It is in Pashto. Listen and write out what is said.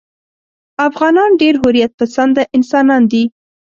افغانان ډېر حریت پسنده انسانان دي.